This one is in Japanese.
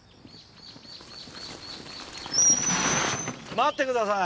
待ってください。